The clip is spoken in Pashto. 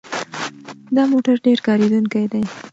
دا موټر ډېر کارېدونکی دی.